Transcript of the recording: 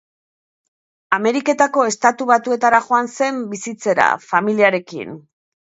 Ameriketako Estatu Batuetara joan zen bizitzera, familiarekin.